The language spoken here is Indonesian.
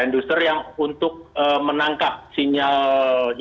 trenduser yang untuk menangkap sinyal yang dipancarkan